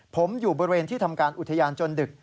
ผมอยู่บริเวณที่ทำการอุทยานจนดึก